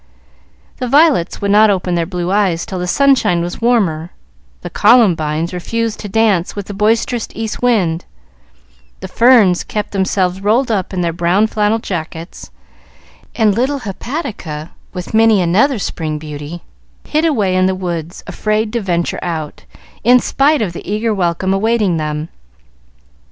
The violets would not open their blue eyes till the sunshine was warmer, the columbines refused to dance with the boisterous east wind, the ferns kept themselves rolled up in their brown flannel jackets, and little Hepatica, with many another spring beauty, hid away in the woods, afraid to venture out, in spite of the eager welcome awaiting them.